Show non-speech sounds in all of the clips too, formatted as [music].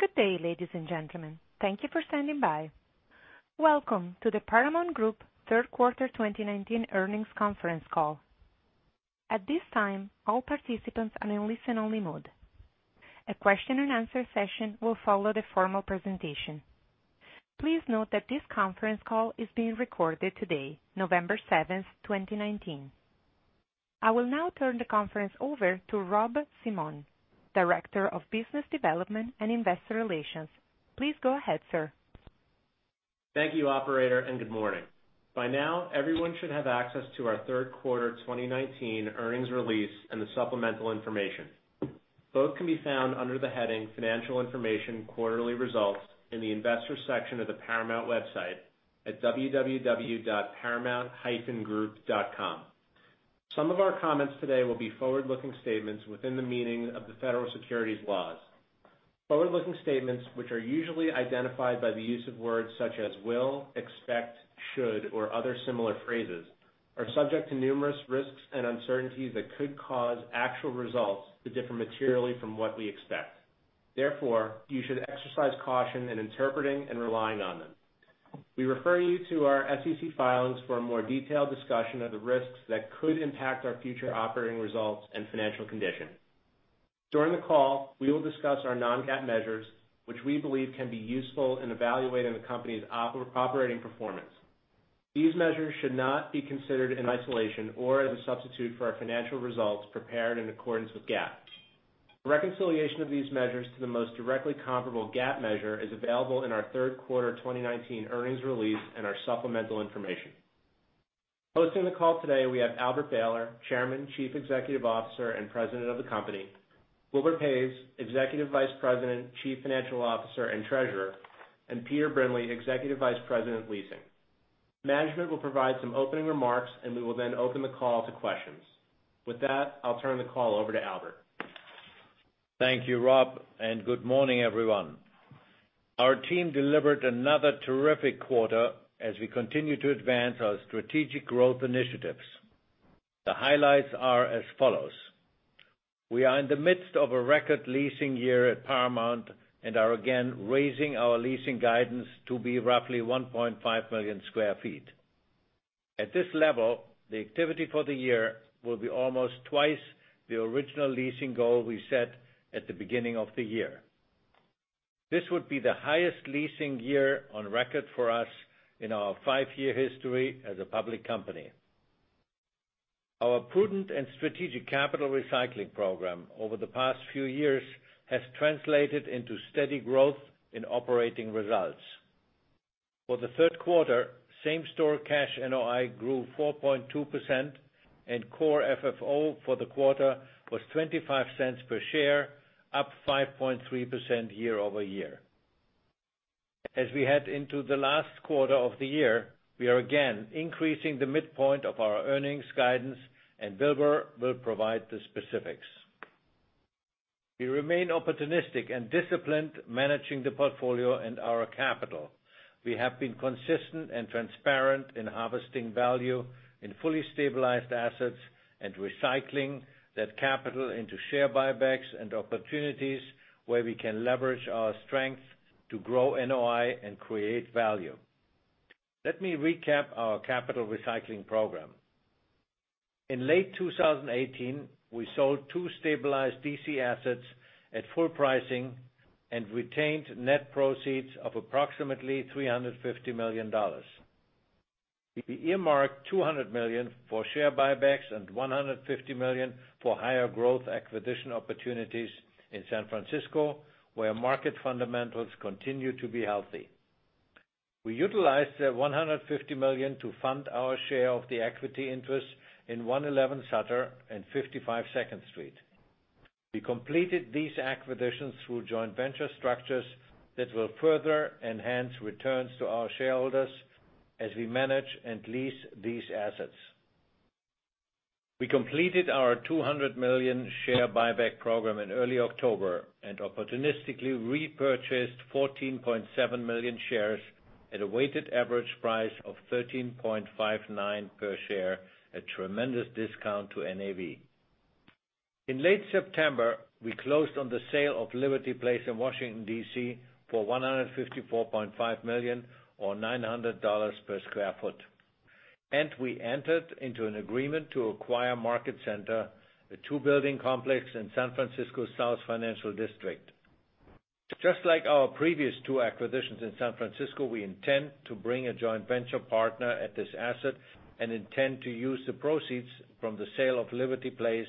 Good day, ladies and gentlemen. Thank you for standing by. Welcome to the Paramount Group Third Quarter 2019 Earnings Conference Call. At this time, all participants are in listen-only mode. A question and answer session will follow the formal presentation. Please note that this conference call is being recorded today, November 7th, 2019. I will now turn the conference over to Rob Simone, Director of Business Development and Investor Relations. Please go ahead, sir. Thank you, operator, and good morning. By now, everyone should have access to our third quarter 2019 earnings release and the supplemental information. Both can be found under the heading Financial Information Quarterly Results in the investors section of the Paramount website at www.paramount-group.com. Some of our comments today will be forward-looking statements within the meaning of the federal securities laws. Forward-looking statements, which are usually identified by the use of words such as will, expect, should, or other similar phrases, are subject to numerous risks and uncertainties that could cause actual results to differ materially from what we expect. Therefore, you should exercise caution in interpreting and relying on them. We refer you to our SEC filings for a more detailed discussion of the risks that could impact our future operating results and financial condition. During the call, we will discuss our non-GAAP measures, which we believe can be useful in evaluating the company's operating performance. These measures should not be considered in isolation or as a substitute for our financial results prepared in accordance with GAAP. A reconciliation of these measures to the most directly comparable GAAP measure is available in our third quarter 2019 earnings release and our supplemental information. Hosting the call today, we have Albert Behler, Chairman, Chief Executive Officer, and President of the company, Wilbur Paes, Executive Vice President, Chief Financial Officer, and Treasurer, and Peter Brindley, Executive Vice President, Leasing. Management will provide some opening remarks. We will then open the call to questions. With that, I'll turn the call over to Albert. Thank you, Rob, and good morning, everyone. Our team delivered another terrific quarter as we continue to advance our strategic growth initiatives. The highlights are as follows. We are in the midst of a record leasing year at Paramount and are again raising our leasing guidance to be roughly 1.5 million sq ft. At this level, the activity for the year will be almost twice the original leasing goal we set at the beginning of the year. This would be the highest leasing year on record for us in our five-year history as a public company. Our prudent and strategic capital recycling program over the past few years has translated into steady growth in operating results. For the third quarter, same-store cash NOI grew 4.2%, and core FFO for the quarter was $0.25 per share, up 5.3% year-over-year. As we head into the last quarter of the year, we are again increasing the midpoint of our earnings guidance, and Wilbur will provide the specifics. We remain opportunistic and disciplined managing the portfolio and our capital. We have been consistent and transparent in harvesting value in fully stabilized assets and recycling that capital into share buybacks and opportunities where we can leverage our strength to grow NOI and create value. Let me recap our capital recycling program. In late 2018, we sold two stabilized D.C. assets at full pricing and retained net proceeds of approximately $350 million. We earmarked $200 million for share buybacks and $150 million for higher growth acquisition opportunities in San Francisco, where market fundamentals continue to be healthy. We utilized the $150 million to fund our share of the equity interest in 111 Sutter and 55 Second Street. We completed these acquisitions through joint venture structures that will further enhance returns to our shareholders as we manage and lease these assets. We completed our $200 million share buyback program in early October and opportunistically repurchased 14.7 million shares at a weighted average price of $13.59 per share, a tremendous discount to NAV. In late September, we closed on the sale of Liberty Place in Washington, D.C. for $154.5 million or $900 per square foot. We entered into an agreement to acquire Market Center, a 2-building complex in San Francisco's South Financial District. Just like our previous two acquisitions in San Francisco, we intend to bring a joint venture partner at this asset and intend to use the proceeds from the sale of Liberty Place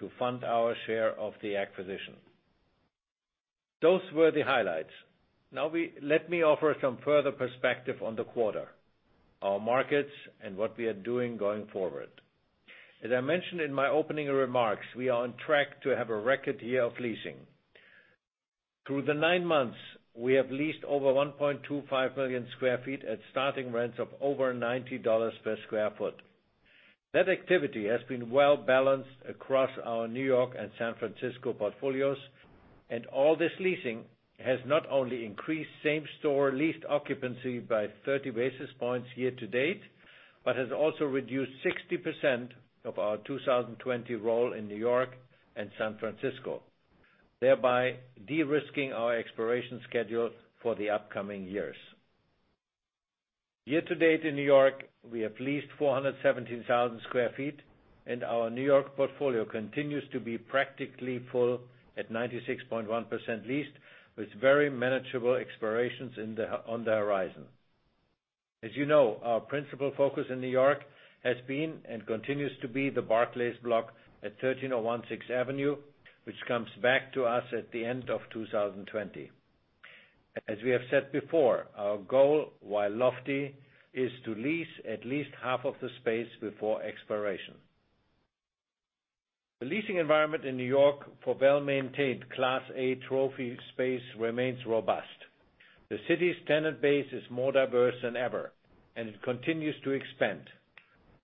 to fund our share of the acquisition. Those were the highlights. Let me offer some further perspective on the quarter, our markets, and what we are doing going forward. As I mentioned in my opening remarks, we are on track to have a record year of leasing. Through the nine months, we have leased over 1.25 million sq ft at starting rents of over $90 per sq ft. That activity has been well-balanced across our N.Y. and San Francisco portfolios, and all this leasing has not only increased same store leased occupancy by 30 basis points year to date, but has also reduced 60% of our 2020 roll in N.Y. and San Francisco, thereby de-risking our expiration schedule for the upcoming years. Year to date in N.Y., we have leased 417,000 sq ft, and our N.Y. portfolio continues to be practically full at 96.1% leased, with very manageable expirations on the horizon. As you know, our principal focus in New York has been and continues to be the Barclays block at 1301 Sixth Avenue, which comes back to us at the end of 2020. As we have said before, our goal, while lofty, is to lease at least half of the space before expiration. The leasing environment in New York for well-maintained Class A trophy space remains robust. The city's tenant base is more diverse than ever, and it continues to expand.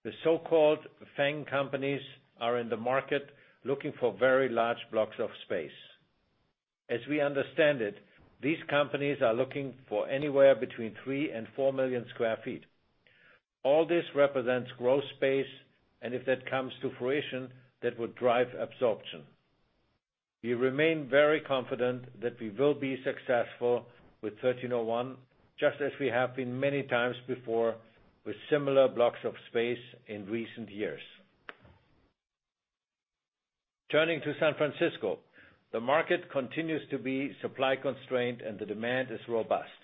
The so-called FAANG companies are in the market looking for very large blocks of space. As we understand it, these companies are looking for anywhere between three and four million square feet. All this represents growth space, and if that comes to fruition, that would drive absorption. We remain very confident that we will be successful with 1301, just as we have been many times before with similar blocks of space in recent years. Turning to San Francisco, the market continues to be supply-constrained and the demand is robust.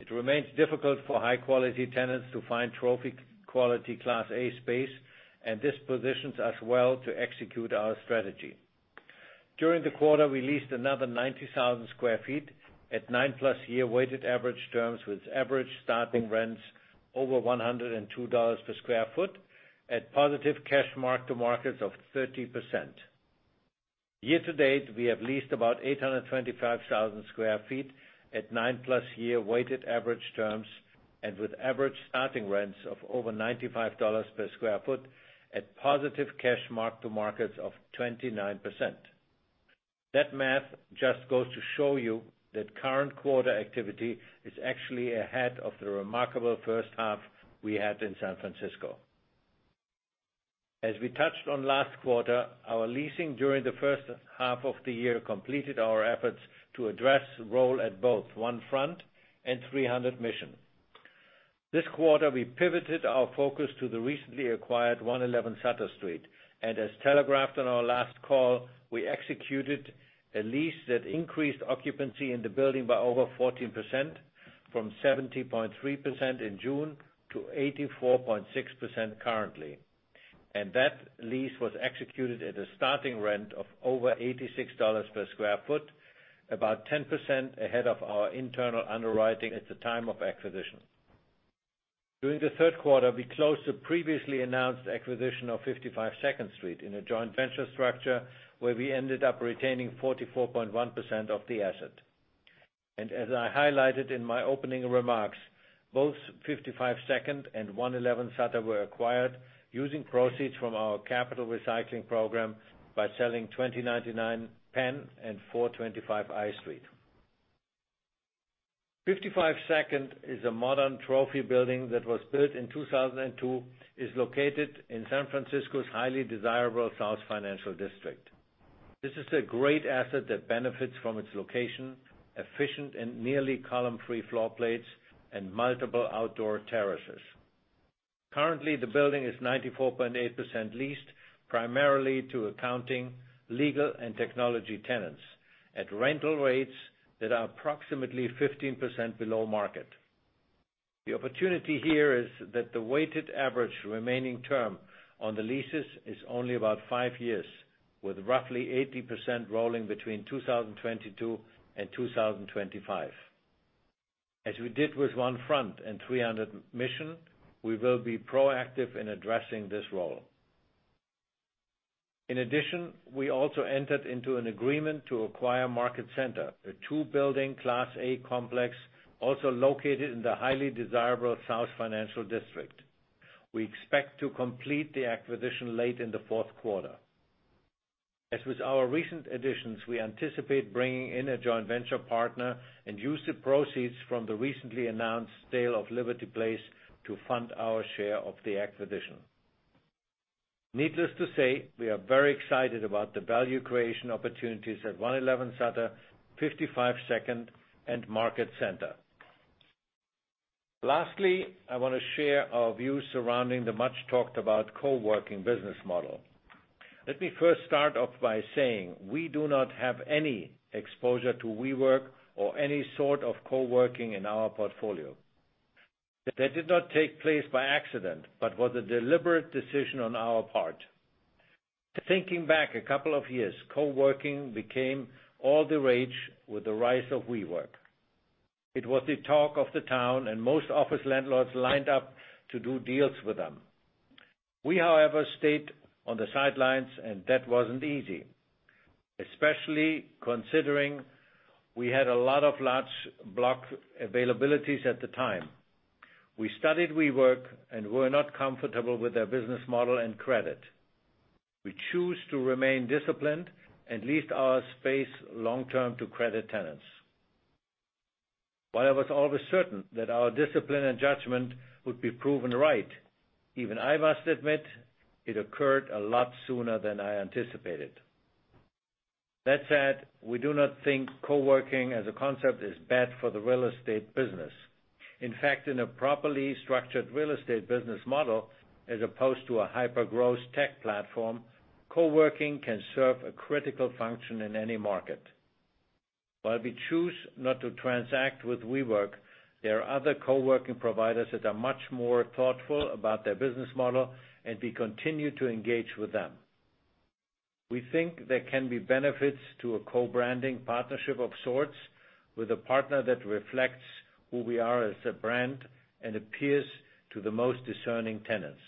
It remains difficult for high-quality tenants to find trophy quality Class A space, this positions us well to execute our strategy. During the quarter, we leased another 90,000 sq ft at 9+ year weighted average terms with average starting rents over $102 per sq ft, at positive cash mark-to-markets of 30%. Year to date, we have leased about 825,000 sq ft at 9+ year weighted average terms with average starting rents of over $95 per sq ft at positive cash mark-to-markets of 29%. That math just goes to show you that current quarter activity is actually ahead of the remarkable first half we had in San Francisco. As we touched on last quarter, our leasing during the first half of the year completed our efforts to address roll at both One Front and 300 Mission. This quarter, we pivoted our focus to the recently acquired 111 Sutter Street, and as telegraphed on our last call, we executed a lease that increased occupancy in the building by over 14%, from 70.3% in June to 84.6% currently. That lease was executed at a starting rent of over $86 per square foot, about 10% ahead of our internal underwriting at the time of acquisition. During the third quarter, we closed the previously announced acquisition of 55 Second Street in a joint venture structure where we ended up retaining 44.1% of the asset. As I highlighted in my opening remarks, both 55 Second and 111 Sutter were acquired using proceeds from our capital recycling program by selling 2099 Penn and 425 I Street. 55 Second is a modern trophy building that was built in 2002, is located in San Francisco's highly desirable South Financial District. This is a great asset that benefits from its location, efficient and nearly column-free floor plates, and multiple outdoor terraces. Currently, the building is 94.8% leased, primarily to accounting, legal, and technology tenants at rental rates that are approximately 15% below market. The opportunity here is that the weighted average remaining term on the leases is only about five years, with roughly 80% rolling between 2022 and 2025. As we did with One Front and 300 Mission, we will be proactive in addressing this roll. We also entered into an agreement to acquire Market Center, a 2-building Class A complex also located in the highly desirable South Financial District. We expect to complete the acquisition late in the fourth quarter. As with our recent additions, we anticipate bringing in a joint venture partner and use the proceeds from the recently announced sale of Liberty Place to fund our share of the acquisition. Needless to say, we are very excited about the value creation opportunities at 111 Sutter, 55 Second, and Market Center. I want to share our views surrounding the much-talked-about co-working business model. Let me first start off by saying we do not have any exposure to WeWork or any sort of co-working in our portfolio. That did not take place by accident, was a deliberate decision on our part. Thinking back a couple of years, co-working became all the rage with the rise of WeWork. It was the talk of the town, and most office landlords lined up to do deals with them. We, however, stayed on the sidelines, and that wasn't easy, especially considering we had a lot of large block availabilities at the time. We studied WeWork and were not comfortable with their business model and credit. We choose to remain disciplined and lease our space long-term to credit tenants. While I was always certain that our discipline and judgment would be proven right, even I must admit it occurred a lot sooner than I anticipated. That said, we do not think co-working as a concept is bad for the real estate business. In fact, in a properly structured real estate business model, as opposed to a hyper-gross tech platform, co-working can serve a critical function in any market. While we choose not to transact with WeWork, there are other co-working providers that are much more thoughtful about their business model, and we continue to engage with them. We think there can be benefits to a co-branding partnership of sorts with a partner that reflects who we are as a brand and appeals to the most discerning tenants.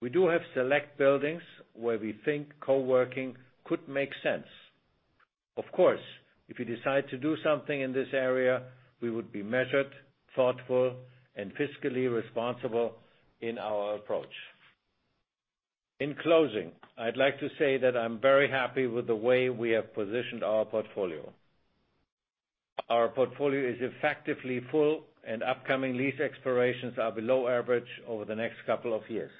We do have select buildings where we think co-working could make sense. Of course, if we decide to do something in this area, we would be measured, thoughtful, and fiscally responsible in our approach. In closing, I'd like to say that I'm very happy with the way we have positioned our portfolio. Our portfolio is effectively full. Upcoming lease expirations are below average over the next couple of years.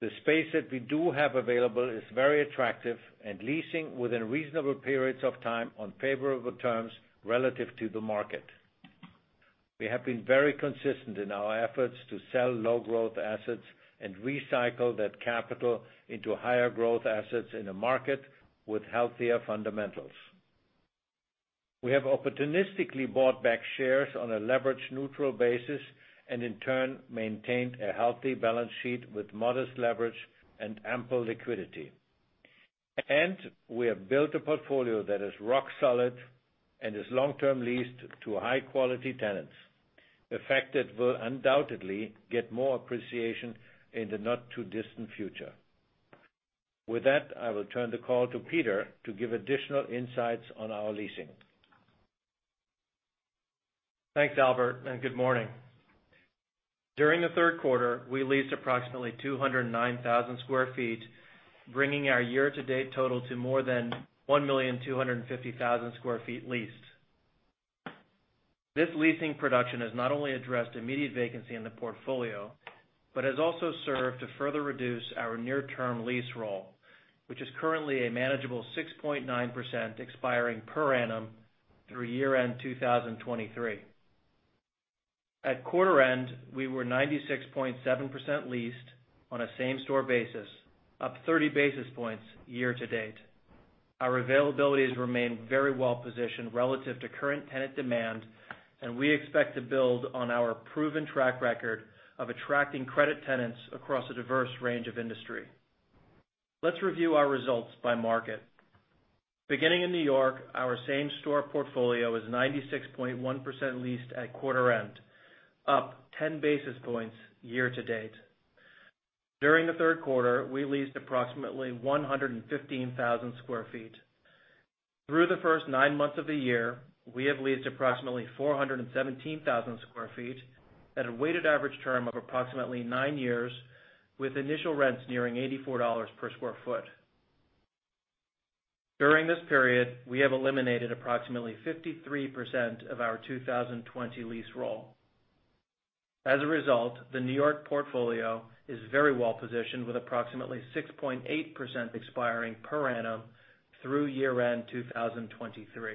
The space that we do have available is very attractive and leasing within reasonable periods of time on favorable terms relative to the market. We have been very consistent in our efforts to sell low-growth assets and recycle that capital into higher-growth assets in a market with healthier fundamentals. We have opportunistically bought back shares on a leverage-neutral basis and, in turn, maintained a healthy balance sheet with modest leverage and ample liquidity. We have built a portfolio that is rock solid and is long-term-leased to high-quality tenants, a fact that will undoubtedly get more appreciation in the not-too-distant future. With that, I will turn the call to Peter to give additional insights on our leasing. Thanks, Albert, and good morning. During the third quarter, we leased approximately 209,000 square feet, bringing our year-to-date total to more than 1,250,000 square feet leased. This leasing production has not only addressed immediate vacancy in the portfolio, but has also served to further reduce our near-term lease roll, which is currently a manageable 6.9% expiring per annum through year-end 2023. At quarter end, we were 96.7% leased on a same-store basis, up 30 basis points year to date. Our availabilities remain very well positioned relative to current tenant demand, and we expect to build on our proven track record of attracting credit tenants across a diverse range of industry. Let's review our results by market. Beginning in New York, our same-store portfolio is 96.1% leased at quarter end, up 10 basis points year to date. During the third quarter, we leased approximately 115,000 square feet. Through the first nine months of the year, we have leased approximately 417,000 sq ft at a weighted average term of approximately nine years, with initial rents nearing $84 per sq ft. During this period, we have eliminated approximately 53% of our 2020 lease roll. As a result, the N.Y. portfolio is very well positioned with approximately 6.8% expiring per annum through year-end 2023.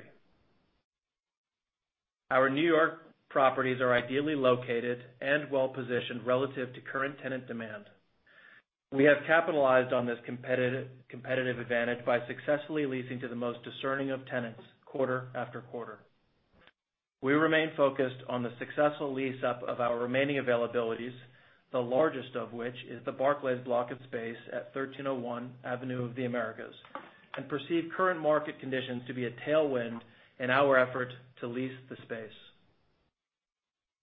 Our N.Y. properties are ideally located and well-positioned relative to current tenant demand. We have capitalized on this competitive advantage by successfully leasing to the most discerning of tenants quarter after quarter. We remain focused on the successful lease-up of our remaining availabilities, the largest of which is the Barclays block of space at 1301 Avenue of the Americas, and perceive current market conditions to be a tailwind in our effort to lease the space.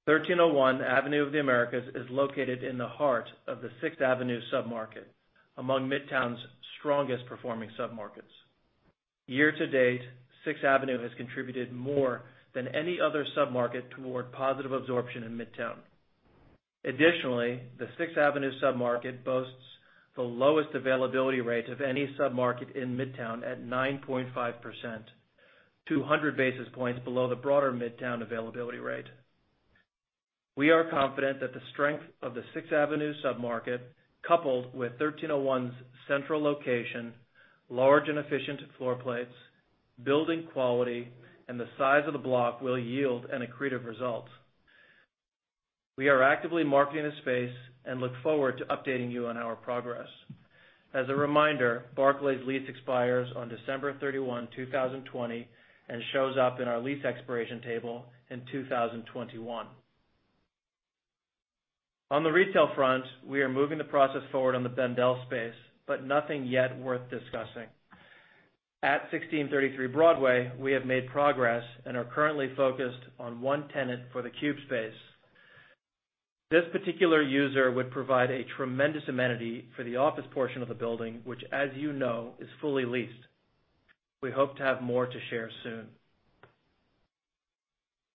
1301 Avenue of the Americas is located in the heart of the Sixth Avenue submarket, among Midtown's strongest performing submarkets. Year to date, Sixth Avenue has contributed more than any other submarket toward positive absorption in Midtown. Additionally, the Sixth Avenue submarket boasts the lowest availability rate of any submarket in Midtown at 9.5%, 200 basis points below the broader Midtown availability rate. We are confident that the strength of the Sixth Avenue submarket, coupled with 1301's central location, large and efficient floor plates, building quality, and the size of the block will yield an accretive result. We are actively marketing the space and look forward to updating you on our progress. As a reminder, Barclays' lease expires on December 31, 2020, and shows up in our lease expiration table in 2021. On the retail front, we are moving the process forward on the Bendel space, but nothing yet worth discussing. At 1633 Broadway, we have made progress and are currently focused on one tenant for the cube space. This particular user would provide a tremendous amenity for the office portion of the building, which as you know, is fully leased. We hope to have more to share soon.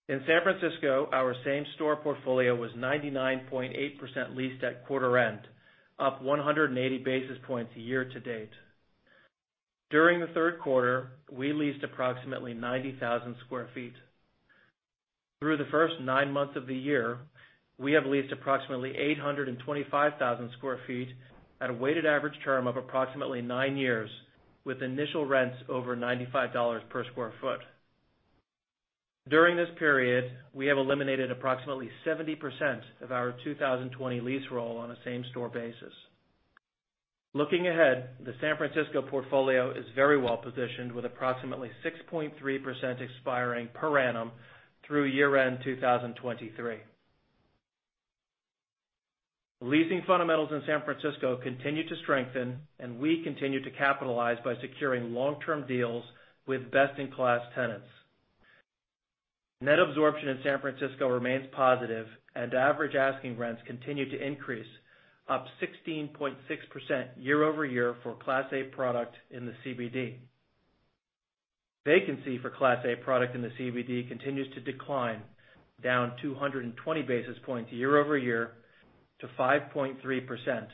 In San Francisco, our same-store portfolio was 99.8% leased at quarter end, up 180 basis points year-to-date. During the third quarter, we leased approximately 90,000 sq ft. Through the first nine months of the year, we have leased approximately 825,000 sq ft at a weighted average term of approximately nine years, with initial rents over $95 per sq ft. During this period, we have eliminated approximately 70% of our 2020 lease roll on a same-store basis. Looking ahead, the San Francisco portfolio is very well positioned, with approximately 6.3% expiring per annum through year-end 2023. Leasing fundamentals in San Francisco continue to strengthen, and we continue to capitalize by securing long-term deals with best-in-class tenants. Net absorption in San Francisco remains positive, and average asking rents continue to increase, up 16.6% year-over-year for Class A product in the CBD. Vacancy for Class A product in the CBD continues to decline, down 220 basis points year-over-year to 5.3%.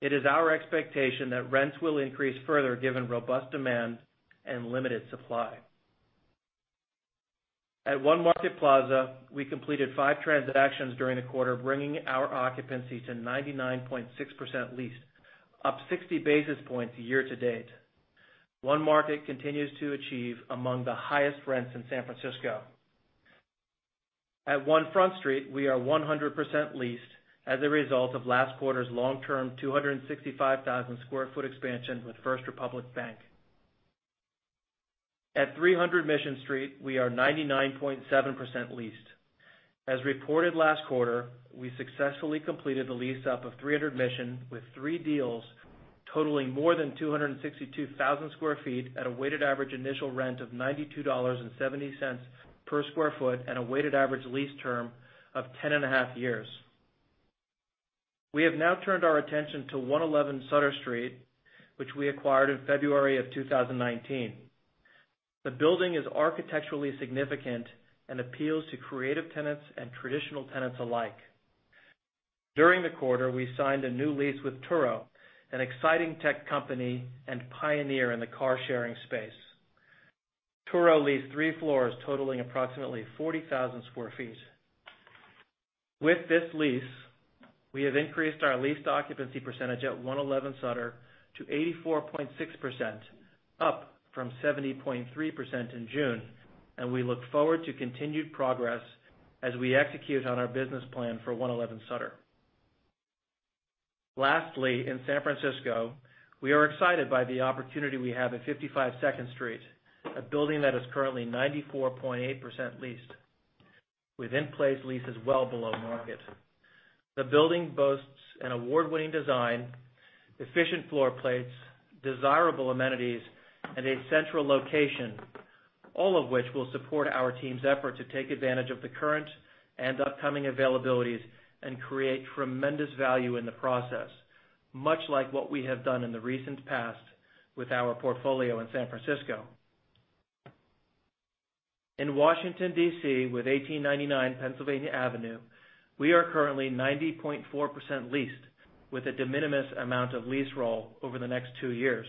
It is our expectation that rents will increase further given robust demand and limited supply. At One Market Plaza, we completed five transactions during the quarter, bringing our occupancy to 99.6% leased, up 60 basis points year-to-date. One Market continues to achieve among the highest rents in San Francisco. At One Front Street, we are 100% leased as a result of last quarter's long-term 265,000-square-foot expansion with First Republic Bank. At 300 Mission Street, we are 99.7% leased. As reported last quarter, we successfully completed the lease up of 300 Mission with three deals totaling more than 262,000 square feet at a weighted average initial rent of $92.70 per square foot and a weighted average lease term of 10 and a half years. We have now turned our attention to 111 Sutter Street, which we acquired in February of 2019. The building is architecturally significant and appeals to creative tenants and traditional tenants alike. During the quarter, we signed a new lease with Turo, an exciting tech company and pioneer in the car-sharing space. Turo leased three floors totaling approximately 40,000 square feet. With this lease, we have increased our leased occupancy percentage at 111 Sutter to 84.6%, up from 70.3% in June, and we look forward to continued progress as we execute on our business plan for 111 Sutter. Lastly, in San Francisco, we are excited by the opportunity we have at 55 Second Street, a building that is currently 94.8% leased, with in-place leases well below market. The building boasts an award-winning design, efficient floor plates, desirable amenities, and a central location, all of which will support our team's effort to take advantage of the current and upcoming availabilities and create tremendous value in the process, much like what we have done in the recent past with our portfolio in San Francisco. In Washington, D.C., with 1899 Pennsylvania Avenue, we are currently 90.4% leased with a de minimis amount of lease roll over the next two years.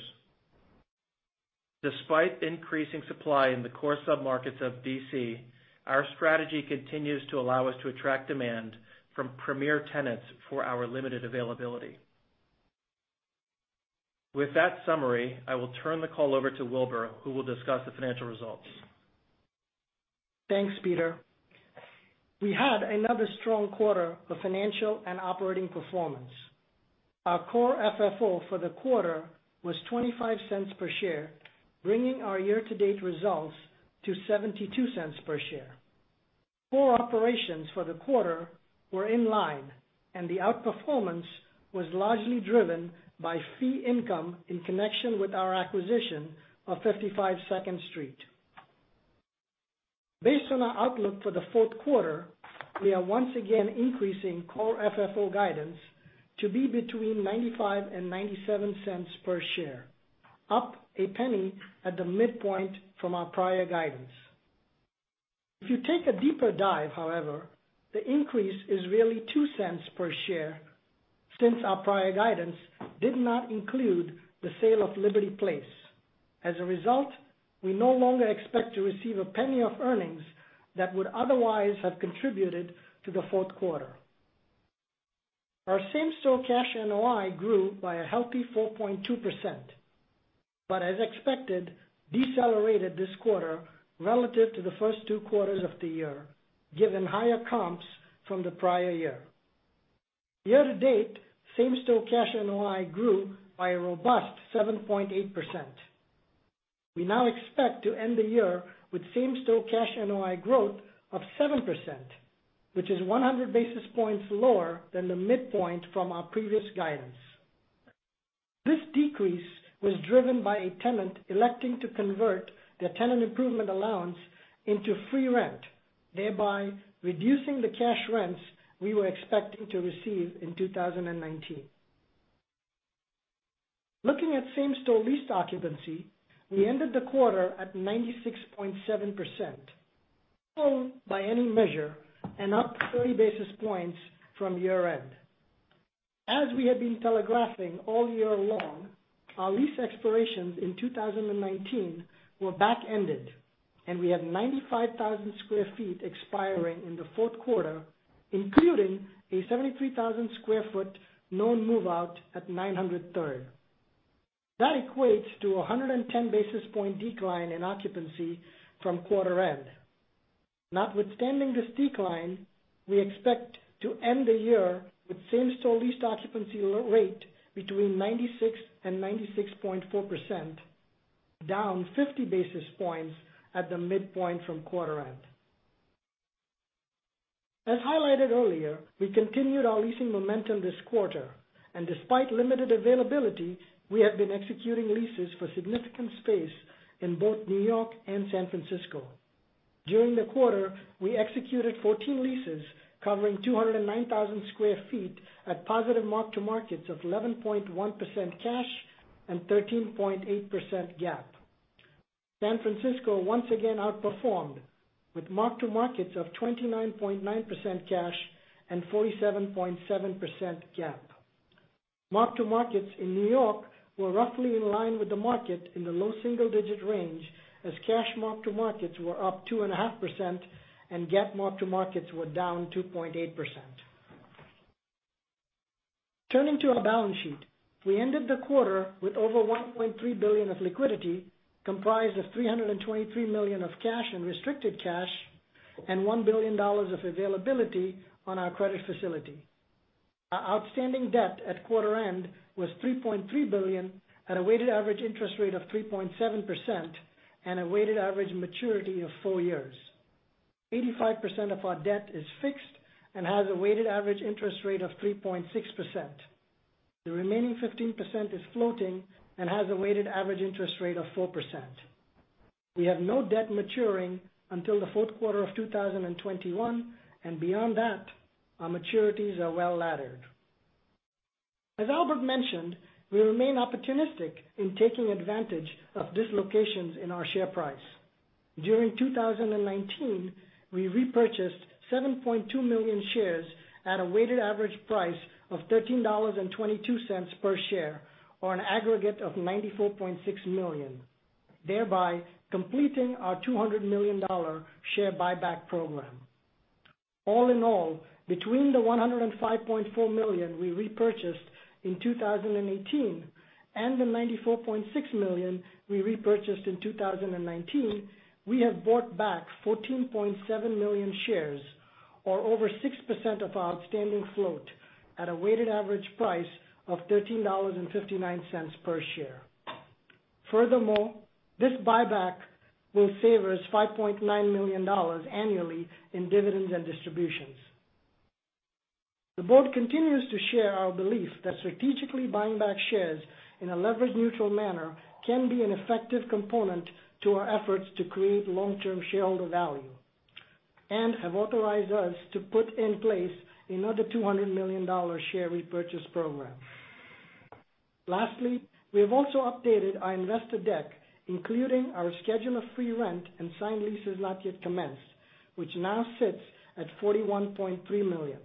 Despite increasing supply in the core submarkets of D.C., our strategy continues to allow us to attract demand from premier tenants for our limited availability. With that summary, I will turn the call over to Wilbur, who will discuss the financial results. Thanks, Peter. We had another strong quarter of financial and operating performance. Our core FFO for the quarter was $0.25 per share, bringing our year-to-date results to $0.72 per share. Core operations for the quarter were in line, and the outperformance was largely driven by fee income in connection with our acquisition of 55 Second Street. Based on our outlook for the fourth quarter, we are once again increasing core FFO guidance to be between $0.95 and $0.97 per share, up $0.01 at the midpoint from our prior guidance. If you take a deeper dive, however, the increase is really $0.02 per share, since our prior guidance did not include the sale of Liberty Place. As a result, we no longer expect to receive $0.01 of earnings that would otherwise have contributed to the fourth quarter. Our same-store cash NOI grew by a healthy 4.2%, but as expected, decelerated this quarter relative to the first two quarters of the year, given higher comps from the prior year. Year-to-date, same-store cash NOI grew by a robust 7.8%. We now expect to end the year with same-store cash NOI growth of 7%, which is 100 basis points lower than the midpoint from our previous guidance. This decrease was driven by a tenant electing to convert their tenant improvement allowance into free rent, thereby reducing the cash rents we were expecting to receive in 2019. Looking at same-store leased occupancy, we ended the quarter at 96.7%, home by any measure, and up 30 basis points from year-end. As we have been telegraphing all year long, our lease expirations in 2019 were backended. We have 95,000 sq ft expiring in the fourth quarter, including a 73,000 sq ft non-move-out at 900 Third. That equates to 110 basis point decline in occupancy from quarter end. Notwithstanding this decline, we expect to end the year with same-store leased occupancy rate between 96% and 96.4%, down 50 basis points at the midpoint from quarter end. As highlighted earlier, we continued our leasing momentum this quarter. Despite limited availability, we have been executing leases for significant space in both New York and San Francisco. During the quarter, we executed 14 leases covering 209,000 sq ft at positive mark-to-markets of 11.1% cash and 13.8% GAAP. San Francisco once again outperformed with mark-to-markets of 29.9% cash and 47.7% GAAP. Mark-to-markets in New York were roughly in line with the market in the low single-digit range, as cash mark-to-markets were up 2.5% and GAAP mark-to-markets were down 2.8%. Turning to our balance sheet, we ended the quarter with over $1.3 billion of liquidity, comprised of $323 million of cash and restricted cash and $1 billion of availability on our credit facility. Our outstanding debt at quarter end was $3.3 billion at a weighted average interest rate of 3.7% and a weighted average maturity of four years. 85% of our debt is fixed and has a weighted average interest rate of 3.6%. The remaining 15% is floating and has a weighted average interest rate of 4%. We have no debt maturing until the fourth quarter of 2021, beyond that, our maturities are well laddered. As Albert mentioned, we remain opportunistic in taking advantage of dislocations in our share price. During 2019, we repurchased 7.2 million shares at a weighted average price of $13.22 per share or an aggregate of $94.6 million, thereby completing our $200 million share buyback program. All in all, between the $105.4 million we repurchased in 2018 and the $94.6 million we repurchased in 2019, we have bought back 14.7 million shares or over 6% of our outstanding float at a weighted average price of $13.59 per share. Furthermore, this buyback will save us $5.9 million annually in dividends and distributions. The board continues to share our belief that strategically buying back shares in a leverage neutral manner can be an effective component to our efforts to create long-term shareholder value and have authorized us to put in place another $200 million share repurchase program. Lastly, we have also updated our investor deck, including our schedule of free rent and signed leases not yet commenced, which now sits at $41.3 million.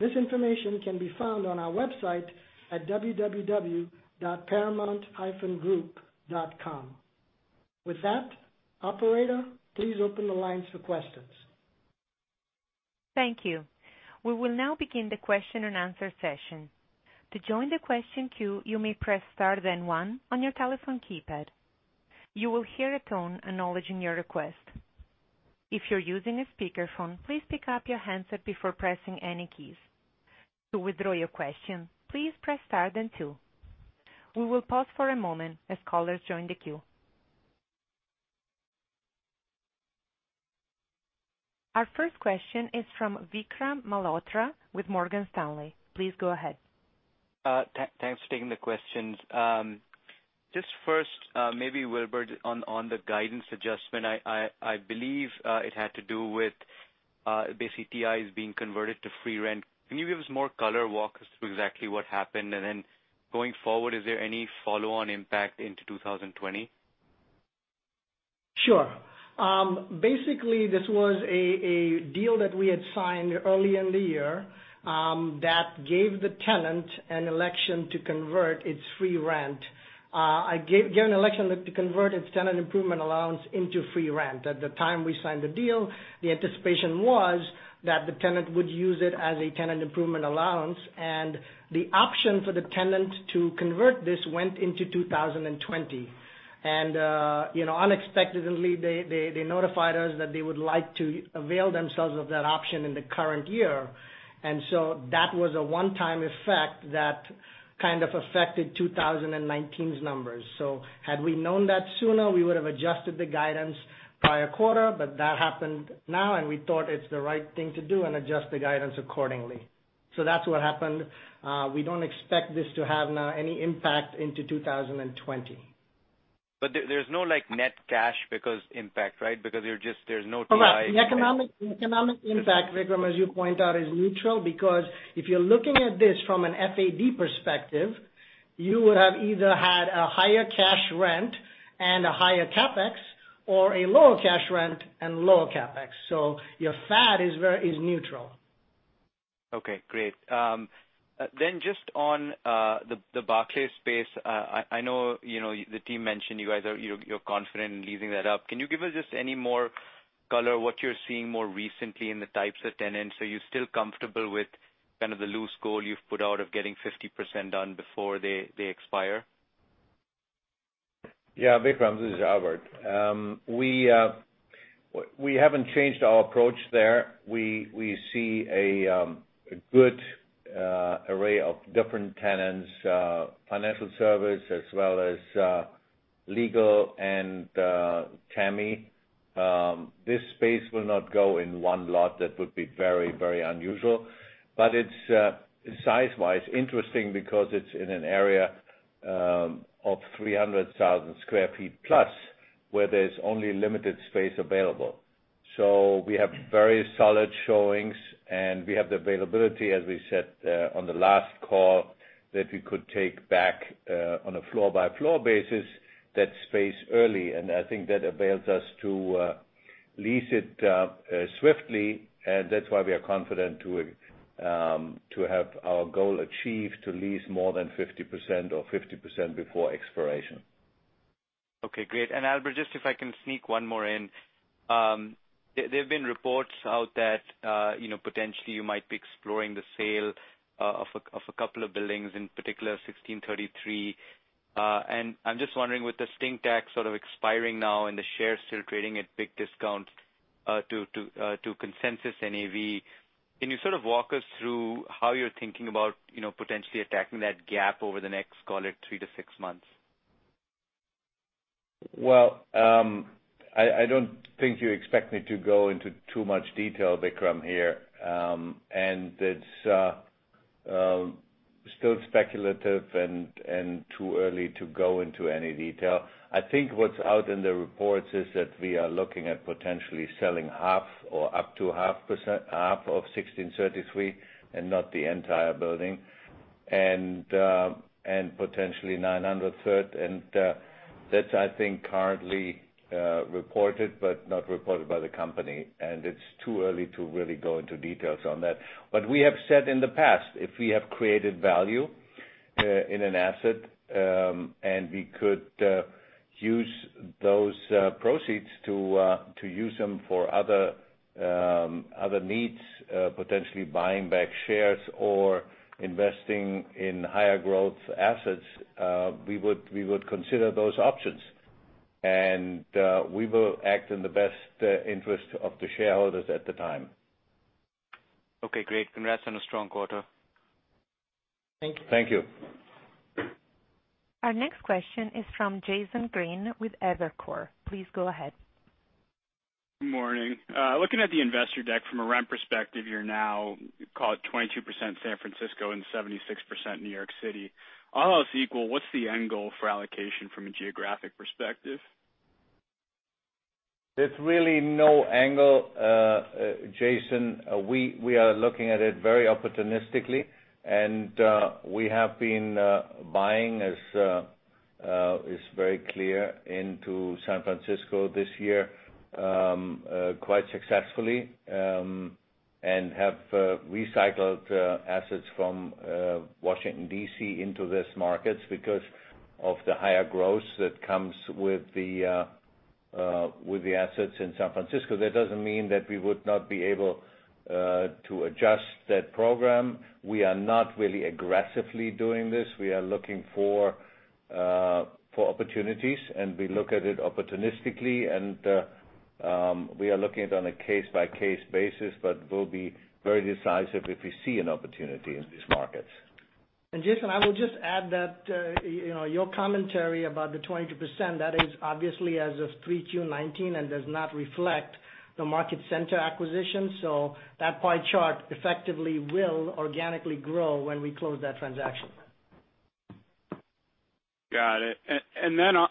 This information can be found on our website at www.paramount-group.com. With that, operator, please open the lines for questions. Thank you. We will now begin the question and answer session. To join the question queue, you may press star then one on your telephone keypad. You will hear a tone acknowledging your request. If you're using a speakerphone, please pick up your handset before pressing any keys. To withdraw your question, please press star then two. We will pause for a moment as callers join the queue. Our first question is from Vikram Malhotra with Morgan Stanley. Please go ahead. Thanks for taking the questions. Just first, maybe Wilbur, on the guidance adjustment, I believe it had to do with basic TIs being converted to free rent. Can you give us more color, walk us through exactly what happened, and then going forward, is there any follow-on impact into 2020? Sure. Basically, this was a deal that we had signed early in the year that gave the tenant an election to convert its free rent. Given election to convert its tenant improvement allowance into free rent. At the time we signed the deal, the anticipation was that the tenant would use it as a tenant improvement allowance, and the option for the tenant to convert this went into 2020. Unexpectedly, they notified us that they would like to avail themselves of that option in the current year. That was a one-time effect that kind of affected 2019's numbers. Had we known that sooner, we would have adjusted the guidance prior quarter, but that happened now, and we thought it's the right thing to do and adjust the guidance accordingly. That's what happened. We don't expect this to have now any impact into 2020. There's no net cash impact, right? Because there's no TI. Correct. The economic impact, Vikram, as you point out, is neutral, because if you're looking at this from an FAD perspective, you would have either had a higher cash rent and a higher CapEx or a lower cash rent and lower CapEx. Your FAD is neutral. Okay, great. Just on the Barclays space, I know the team mentioned you're confident in leasing that up. Can you give us just any more color, what you're seeing more recently in the types of tenants? Are you still comfortable with kind of the loose goal you've put out of getting 50% done before they expire? Yeah, Vikram, this is Albert. We haven't changed our approach there. We see a good array of different tenants, financial service as well as legal and TAMI. This space will not go in one lot. That would be very unusual. It's, size-wise, interesting because it's in an area of 300,000 sq ft plus where there's only limited space available. We have very solid showings, and we have the availability, as we said on the last call, that we could take back on a floor-by-floor basis, that space early. I think that avails us to lease it swiftly, and that's why we are confident to have our goal achieved to lease more than 50% or 50% before expiration. Okay, great. Albert, just if I can sneak one more in. There have been reports out that, potentially you might be exploring the sale of a couple of buildings, in particular 1633. I'm just wondering, with the sting tax sort of expiring now and the shares still trading at big discounts due to consensus NAV, can you sort of walk us through how you're thinking about potentially attacking that gap over the next, call it three to six months? Well, I don't think you expect me to go into too much detail, Vikram, here. It's still speculative and too early to go into any detail. I think what's out in the reports is that we are looking at potentially selling half or up to half of 1633 and not the entire building, and potentially 900 Third. That's, I think, currently reported but not reported by the company. It's too early to really go into details on that. We have said in the past, if we have created value in an asset, and we could use those proceeds to use them for other needs, potentially buying back shares or investing in higher growth assets, we would consider those options. We will act in the best interest of the shareholders at the time. Okay, great. Congrats on a strong quarter. Thank you. Thank you. Our next question is from Jason Green with Evercore. Please go ahead. Good morning. Looking at the investor deck from a rent perspective, you're now, call it 22% San Francisco and 76% New York City. All else equal, what's the end goal for allocation from a geographic perspective? There's really no angle, Jason. We are looking at it very opportunistically, and we have been buying as is very clear into San Francisco this year, quite successfully, and have recycled assets from Washington, D.C. into these markets because of the higher growth that comes with the assets in San Francisco. That doesn't mean that we would not be able to adjust that program. We are not really aggressively doing this. We are looking for opportunities, and we look at it opportunistically. We are looking at it on a case-by-case basis, but we'll be very decisive if we see an opportunity in these markets. Jason, I would just add that your commentary about the 22%, that is obviously as of 3Q19 and does not reflect the Market Center acquisition. That pie chart effectively will organically grow when we close that transaction. Got it.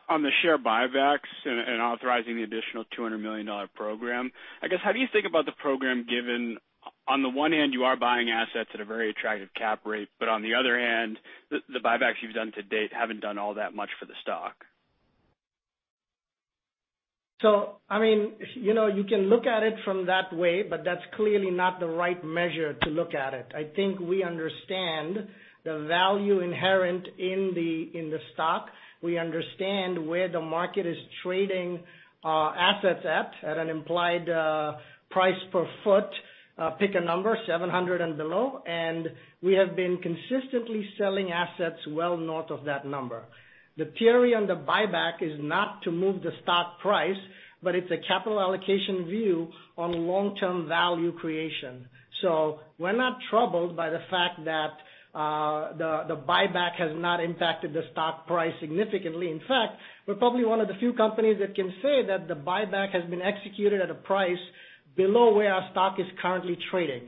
On the share buybacks and authorizing the additional $200 million program, I guess, how do you think about the program given, on the one hand, you are buying assets at a very attractive cap rate, but on the other hand, the buybacks you've done to date haven't done all that much for the stock. You can look at it from that way, but that's clearly not the right measure to look at it. I think we understand the value inherent in the stock. We understand where the market is trading assets at an implied price per foot, pick a number, 700 and below, and we have been consistently selling assets well north of that number. The theory on the buyback is not to move the stock price, but it's a capital allocation view on long-term value creation. We're not troubled by the fact that the buyback has not impacted the stock price significantly. In fact, we're probably one of the few companies that can say that the buyback has been executed at a price below where our stock is currently trading,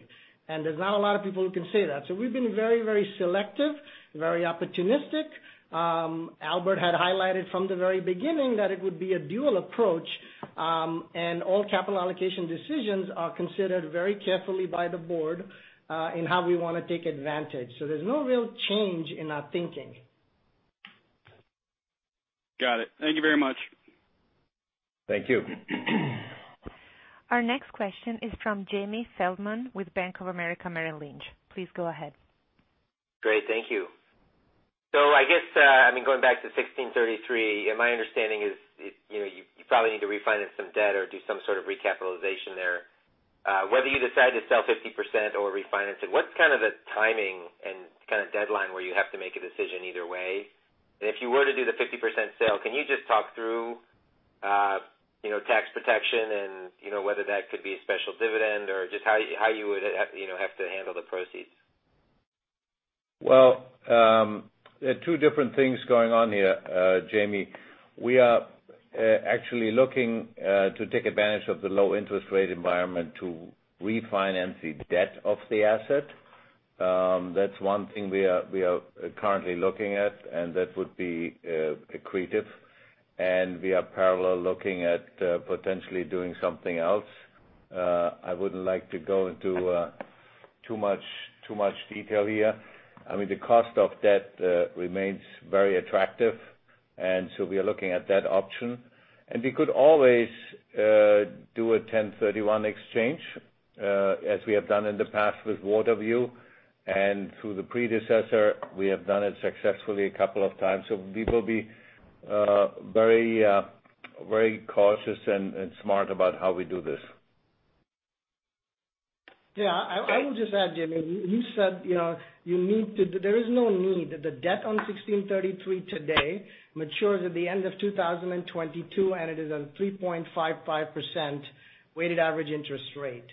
and there's not a lot of people who can say that. We've been very selective, very opportunistic. Albert had highlighted from the very beginning that it would be a dual approach, and all capital allocation decisions are considered very carefully by the board in how we want to take advantage. There's no real change in our thinking. Got it. Thank you very much. Thank you. Our next question is from Jamie Feldman with Bank of America Merrill Lynch. Please go ahead. Great. Thank you. I guess, going back to 1633, my understanding is you probably need to refinance some debt or do some sort of recapitalization there. Whether you decide to sell 50% or refinance it, what's kind of the timing and kind of deadline where you have to make a decision either way? If you were to do the 50% sale, can you just talk through tax protection and whether that could be a special dividend or just how you would have to handle the proceeds? Well, there are two different things going on here, Jamie. We are actually looking to take advantage of the low interest rate environment to refinance the debt of the asset. That's one thing we are currently looking at, and that would be accretive. We are parallel looking at potentially doing something else. I wouldn't like to go into too much detail here. I mean, the cost of debt remains very attractive, we are looking at that option. We could always do a 1031 exchange, as we have done in the past with Waterview and through the predecessor, we have done it successfully a couple of times. We will be very cautious and smart about how we do this. I would just add, Jamie, you said there is no need. The debt on 1633 today matures at the end of 2022, it is a 3.55% weighted average interest rate.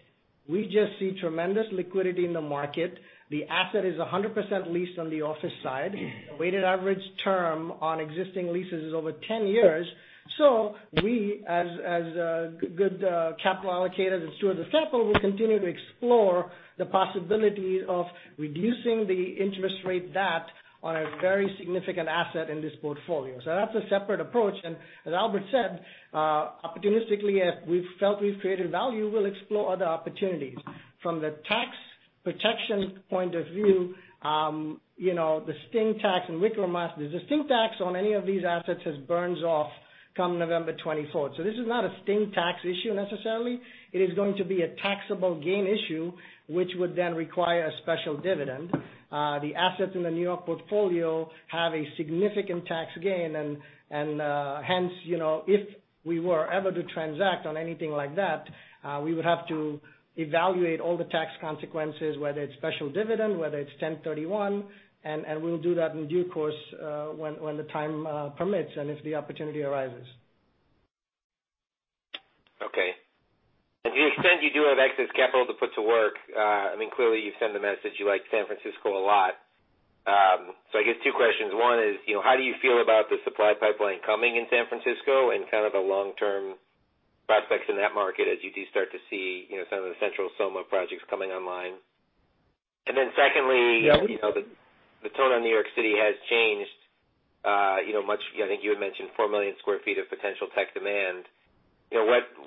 We just see tremendous liquidity in the market. The asset is 100% leased on the office side. The weighted average term on existing leases is over 10 years. We, as good capital allocators and stewards of capital, will continue to explore the possibility of reducing the interest rate debt on a very significant asset in this portfolio. That's a separate approach. As Albert said, opportunistically, as we've felt we've created value, we'll explore other opportunities. From the tax protection point of view, the sting tax and, [inaudible] the sting tax on any of these assets just burns off come November 24th. This is not a sting tax issue necessarily. It is going to be a taxable gain issue which would then require a special dividend. The assets in the New York portfolio have a significant tax gain and hence, if we were ever to transact on anything like that, we would have to evaluate all the tax consequences, whether it's special dividend, whether it's 1031, and we'll do that in due course, when the time permits and if the opportunity arises. Okay. To the extent you do have excess capital to put to work, I mean, clearly you send the message you like San Francisco a lot. I guess two questions. One is, how do you feel about the supply pipeline coming in San Francisco and kind of the long-term prospects in that market as you do start to see some of the Central SoMa projects coming online? Secondly. Yeah The tone on New York City has changed. I think you had mentioned 4 million square feet of potential tech demand.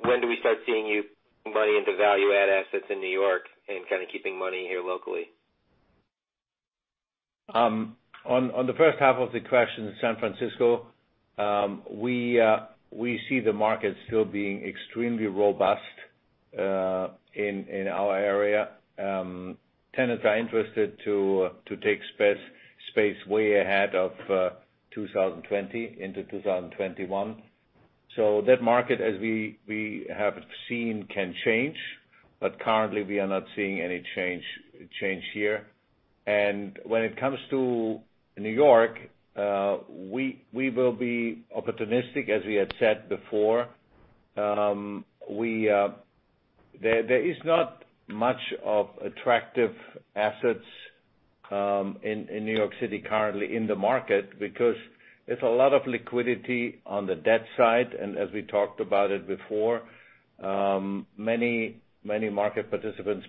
When do we start seeing new money into value add assets in New York and kind of keeping money here locally? On the first half of the question, San Francisco, we see the market still being extremely robust, in our area. Tenants are interested to take space way ahead of 2020 into 2021. That market, as we have seen, can change, but currently we are not seeing any change here. When it comes to New York, we will be opportunistic, as we had said before. There is not much of attractive assets in New York City currently in the market because there's a lot of liquidity on the debt side. As we talked about it before, many market participants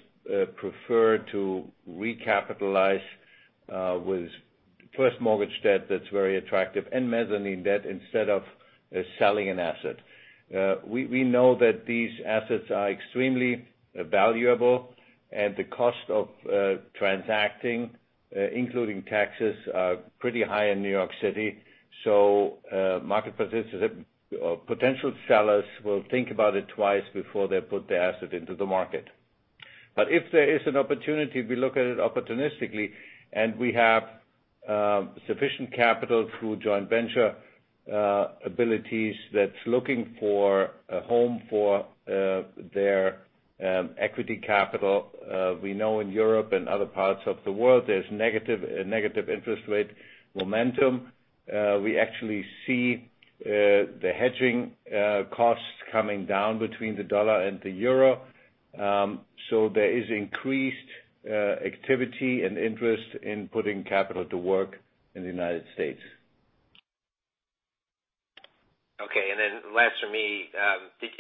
prefer to recapitalize with first mortgage debt that's very attractive and mezzanine debt instead of selling an asset. We know that these assets are extremely valuable and the cost of transacting, including taxes, are pretty high in New York City. Market participants or potential sellers will think about it twice before they put the asset into the market. If there is an opportunity, we look at it opportunistically, and we have sufficient capital through joint venture abilities that's looking for a home for their equity capital. We know in Europe and other parts of the world, there's negative interest rate momentum. We actually see the hedging costs coming down between the dollar and the euro. There is increased activity and interest in putting capital to work in the United States. Okay. Last from me, just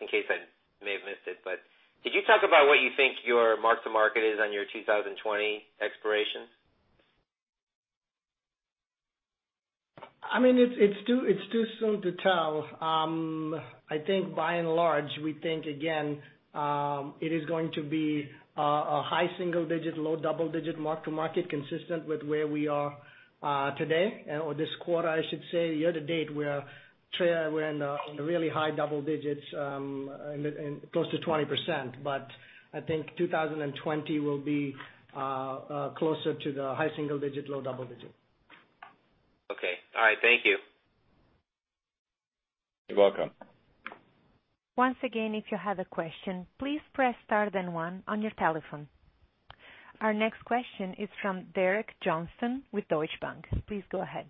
in case I may have missed it, but did you talk about what you think your mark-to-market is on your 2020 expiration? It's too soon to tell. I think by and large, we think again, it is going to be a high single digit, low double digit mark to market, consistent with where we are today, or this quarter, I should say. Year-to-date, we're in the really high double digits, close to 20%. I think 2020 will be closer to the high single digit, low double digit. Okay. All right. Thank you. You're welcome. Once again, if you have a question, please press star then one on your telephone. Our next question is from Derek Johnston with Deutsche Bank. Please go ahead.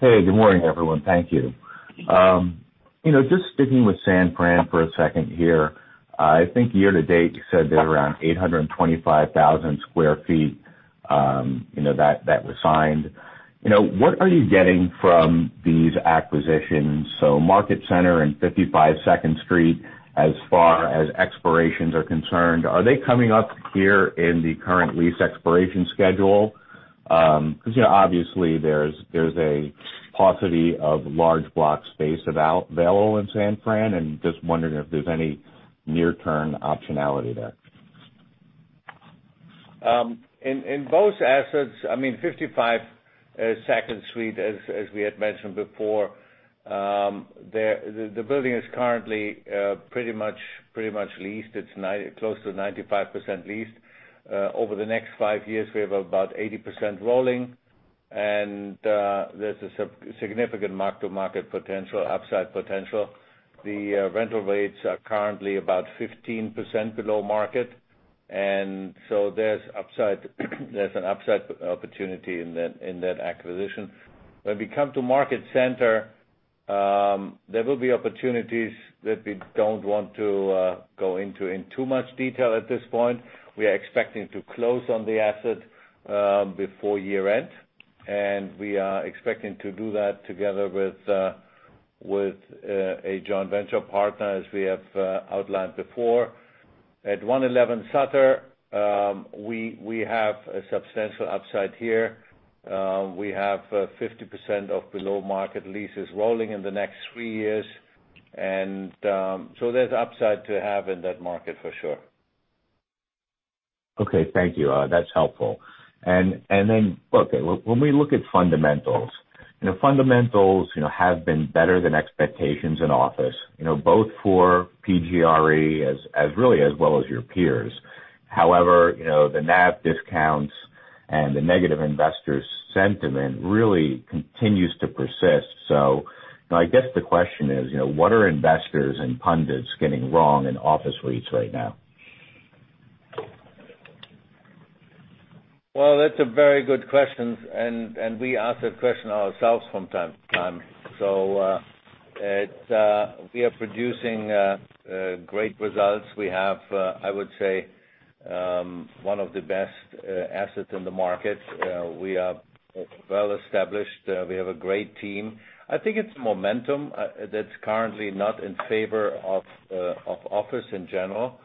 Hey, good morning, everyone. Thank you. Just sticking with San Fran for a second here. I think year-to-date, you said they're around 825,000 sq ft that was signed. What are you getting from these acquisitions? Market Center and 55 Second Street, as far as expirations are concerned, are they coming up here in the current lease expiration schedule? Obviously there's a paucity of large block space available in San Fran, and just wondering if there's any near-term optionality there. In both assets, 55 Second Street, as we had mentioned before, the building is currently pretty much leased. It's close to 95% leased. Over the next 5 years, we have about 80% rolling, and there's a significant mark-to-market potential, upside potential. The rental rates are currently about 15% below market, and so there's an upside opportunity in that acquisition. When we come to Market Center, there will be opportunities that we don't want to go into in too much detail at this point. We are expecting to close on the asset before year-end, and we are expecting to do that together with a joint venture partner, as we have outlined before. At 111 Sutter, we have a substantial upside here. We have 50% of below-market leases rolling in the next 3 years. There's upside to have in that market for sure. Okay, thank you. That's helpful. Then, okay, when we look at fundamentals. Fundamentals have been better than expectations in office, both for PGRE as really as well as your peers. However, the NAV discounts and the negative investor sentiment really continues to persist. I guess the question is: What are investors and pundits getting wrong in office rates right now? Well, that's a very good question, and we ask that question ourselves from time to time. We are producing great results. We have, I would say, one of the best assets in the market. We are well-established. We have a great team. I think it's momentum that's currently not in favor of office in general.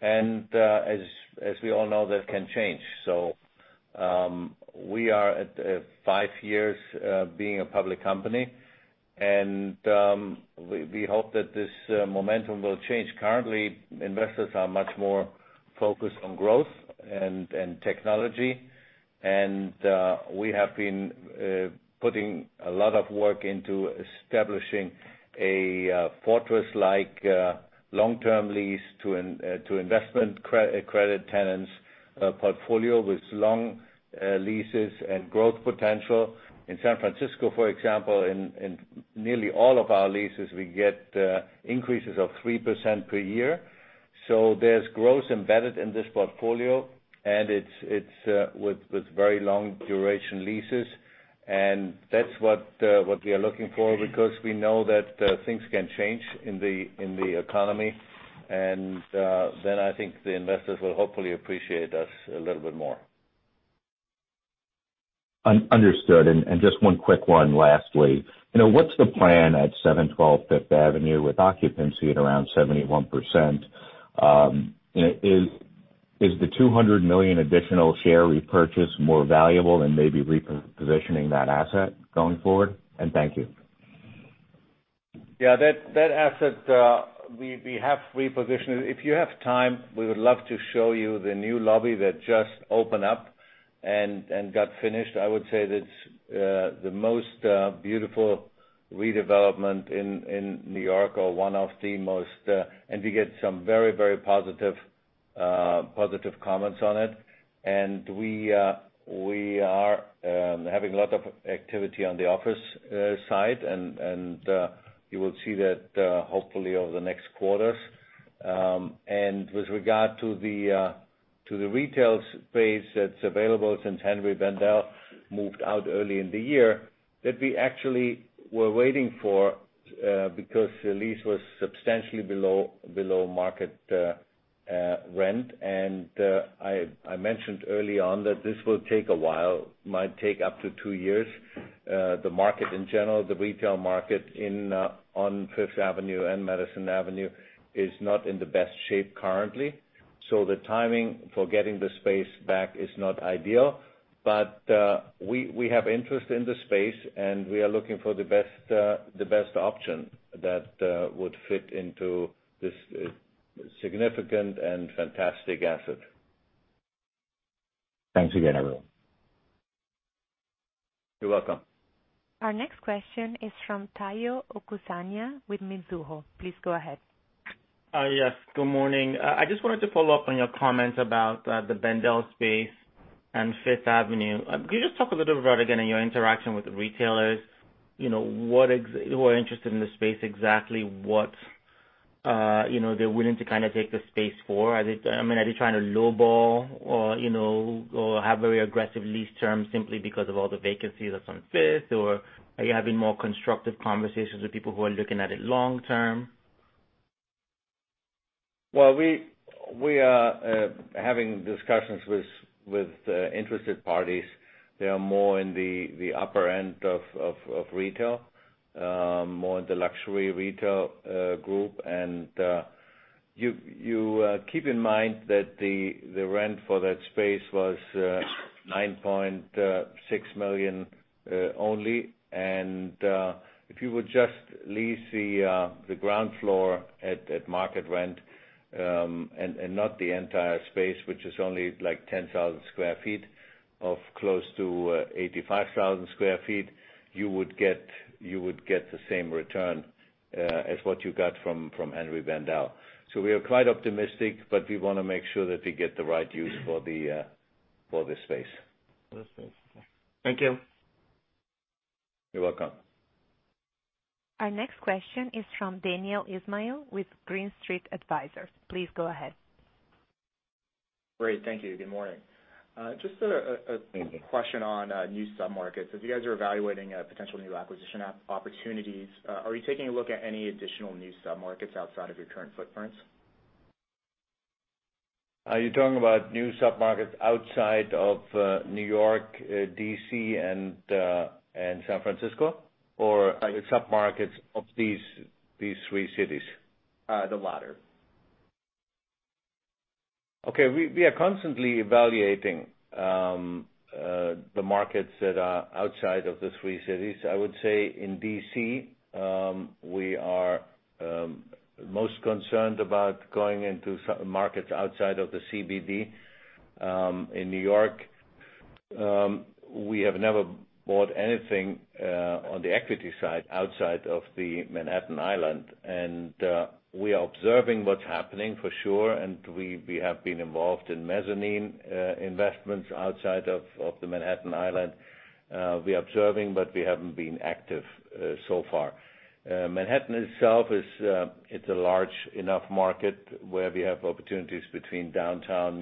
As we all know, that can change. We are at five years being a public company, and we hope that this momentum will change. Currently, investors are much more focused on growth and technology. We have been putting a lot of work into establishing a fortress-like long-term lease to investment credit tenants portfolio with long leases and growth potential. In San Francisco, for example, in nearly all of our leases, we get increases of 3% per year. There's growth embedded in this portfolio, and it's with very long duration leases. That's what we are looking for because we know that things can change in the economy. I think the investors will hopefully appreciate us a little bit more. Understood. Just one quick one lastly. What's the plan at 712 Fifth Avenue with occupancy at around 71%? Is the $200 million additional share repurchase more valuable than maybe repositioning that asset going forward? Thank you. Yeah, that asset, we have repositioned. If you have time, we would love to show you the new lobby that just opened up and got finished. I would say that it's the most beautiful redevelopment in New York or one of the most. We get some very positive comments on it. We are having a lot of activity on the office side, and you will see that hopefully over the next quarters. With regard to the retail space that's available since Henri Bendel moved out early in the year, that we actually were waiting for because the lease was substantially below market rent. I mentioned early on that this will take a while, might take up to two years. The market in general, the retail market on Fifth Avenue and Madison Avenue is not in the best shape currently. The timing for getting the space back is not ideal. We have interest in the space, and we are looking for the best option that would fit into this significant and fantastic asset. Thanks again, everyone. You're welcome. Our next question is from Tayo Okusanya with Mizuho. Please go ahead. Yes. Good morning. I just wanted to follow up on your comment about the Bendel space and Fifth Avenue. Could you just talk a little bit about, again, your interaction with the retailers, who are interested in the space, exactly what they're willing to kind of take the space for? Are they trying to lowball or have very aggressive lease terms simply because of all the vacancies that's on Fifth? Are you having more constructive conversations with people who are looking at it long term? Well, we are having discussions with interested parties. They are more in the upper end of retail, more in the luxury retail group. You keep in mind that the rent for that space was $9.6 million only. If you would just lease the ground floor at market rent, not the entire space, which is only like 10,000 square feet of close to 85,000 square feet, you would get the same return as what you got from Henri Bendel. We are quite optimistic, but we want to make sure that we get the right use for the space. Thank you. You're welcome. Our next question is from Daniel Ismail with Green Street Advisors. Please go ahead. Great. Thank you. Good morning. Just a question on new sub-markets. As you guys are evaluating potential new acquisition opportunities, are you taking a look at any additional new sub-markets outside of your current footprints? Are you talking about new sub-markets outside of New York, D.C., and San Francisco? The sub-markets of these three cities? The latter. Okay. We are constantly evaluating the markets that are outside of the three cities. I would say in D.C., we are most concerned about going into sub-markets outside of the CBD. In N.Y., we have never bought anything on the equity side outside of the Manhattan Island. We are observing what's happening for sure, and we have been involved in mezzanine investments outside of the Manhattan Island. We are observing, but we haven't been active so far. Manhattan itself, it's a large enough market where we have opportunities between downtown,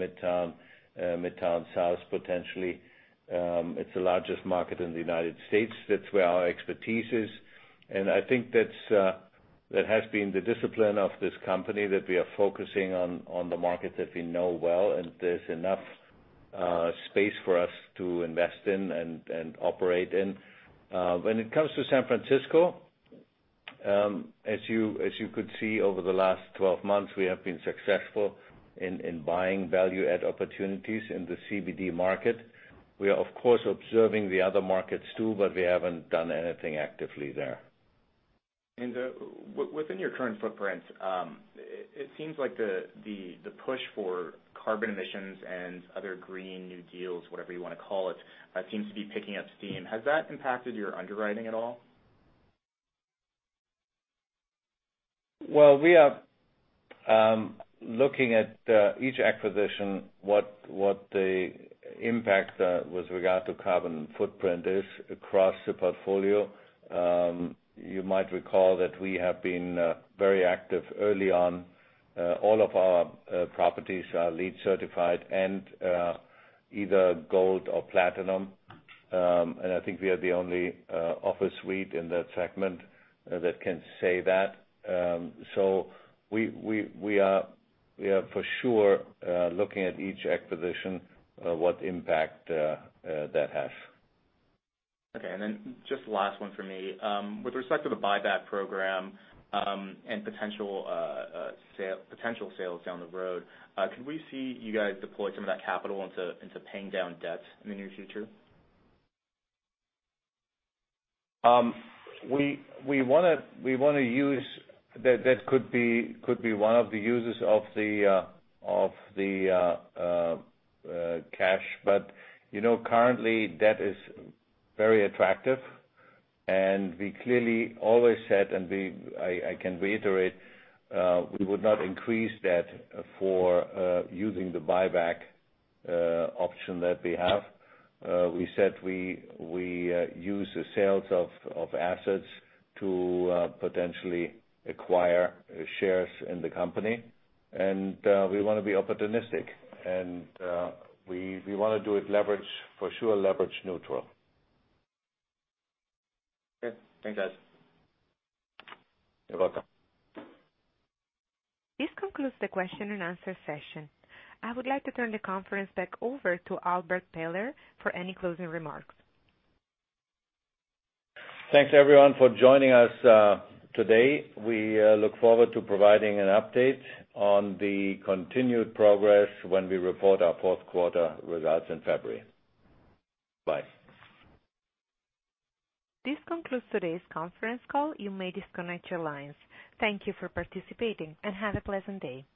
midtown south, potentially. It's the largest market in the U.S. That's where our expertise is. I think that has been the discipline of this company that we are focusing on the market that we know well, and there's enough space for us to invest in and operate in. When it comes to San Francisco, as you could see over the last 12 months, we have been successful in buying value-add opportunities in the CBD market. We are, of course, observing the other markets too, we haven't done anything actively there. Within your current footprint, it seems like the push for carbon emissions and other green new deals, whatever you want to call it, seems to be picking up steam. Has that impacted your underwriting at all? Well, we are looking at each acquisition, what the impact with regard to carbon footprint is across the portfolio. You might recall that we have been very active early on. All of our properties are LEED certified and either gold or platinum. I think we are the only office REIT in that segment that can say that. We are for sure looking at each acquisition, what impact that has. Okay, just last one from me. With respect to the buyback program, and potential sales down the road, can we see you guys deploy some of that capital into paying down debt in the near future? That could be one of the uses of the cash, but currently, debt is very attractive, and we clearly always said, and I can reiterate, we would not increase debt for using the buyback option that we have. We said we use the sales of assets to potentially acquire shares in the company, and we want to be opportunistic, and we want to do it leverage, for sure, leverage neutral. Okay. Thanks, guys. You're welcome. This concludes the question and answer session. I would like to turn the conference back over to Albert Behler for any closing remarks. Thanks, everyone, for joining us today. We look forward to providing an update on the continued progress when we report our fourth quarter results in February. Bye. This concludes today's conference call. You may disconnect your lines. Thank you for participating and have a pleasant day.